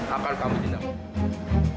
akan kami tindakan